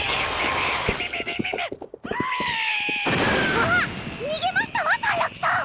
あっ逃げましたわサンラクさん。